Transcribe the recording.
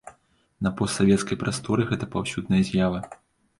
На постсавецкай прасторы гэта паўсюдная з'ява.